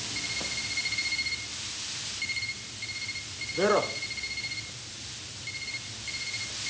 出ろ。